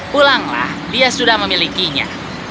pulanglah dia sudah memilikinya